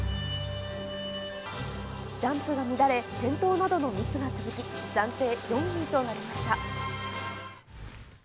ジャンプが乱れ、転倒などのミスが続き、暫定４位となりました。